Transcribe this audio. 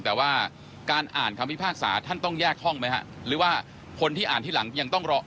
แต่ว่าการอ่านคำพิพากษาท่านต้องแยกห้องไหมฮะหรือว่าคนที่อ่านที่หลังยังต้องรอ